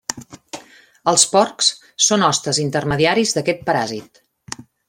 Els porcs són hostes intermediaris d'aquest paràsit.